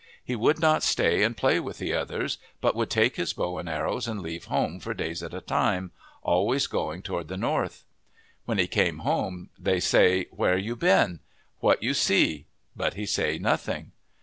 He would not stay and play with the others, but would take his bow and arrows and leave home for days at a time, always going toward the North. When he come home, they say, ' Where you been ? What you see ?' But he say nothing.